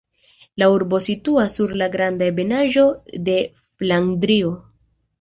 La urbo situas sur la granda ebenaĵo de Flandrio.